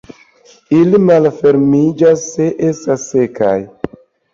Ili malfermiĝas se estas sekaj.